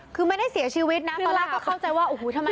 คือไม่ได้เสียชีวิตนะตอนแรกก็เข้าใจว่าโอ้โหทำไม